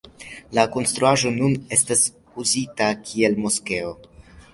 La konstruaĵo nun estas uzita kiel moskeo.